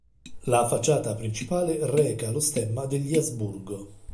La facciata principale reca lo stemma degli Asburgo.